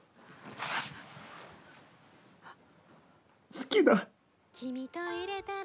好きだ。